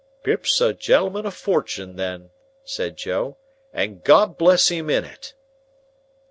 "Pip's a gentleman of fortun' then," said Joe, "and God bless him in it!"